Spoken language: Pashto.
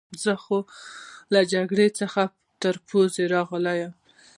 زه خو له جګړې څخه تر پوزې راغلی یم.